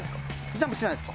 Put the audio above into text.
ジャンプしないです。